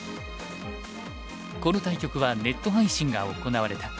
この対局はネット配信が行われた。